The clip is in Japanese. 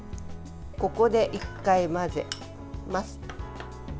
ここで１回、混ぜます。